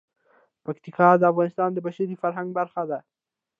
پکتیکا د افغانستان د بشري فرهنګ برخه ده.